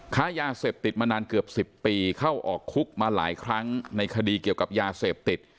ค้ายาเสพติดมานานเกือบ๑๐ปีเข้าออกคุกมาหลายครั้งในคดีเกี่ยวกับยาเสพติด